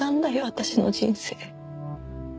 私の人生。